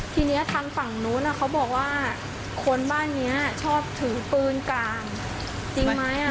ที่นี่ธรรมฯฝั่งโหนูมันดูว่าคนบ้านนี้ชอบถือปืนเกราะจริงไหม